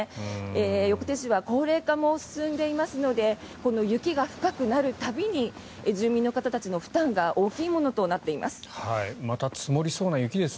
横手市は高齢化も進んでいますのでこの雪が深くなる度に住民の方たちの負担が大きいものとなっています。